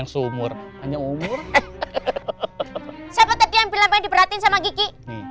siapa tadi yang bilang pengen diperhatiin sama kiki